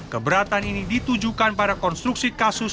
keberatan ini ditujukan pada konstruksi kasus